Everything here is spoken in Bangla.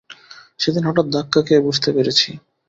সেদিন হঠাৎ ধাক্কা খেয়ে বুঝতে পেরেছি।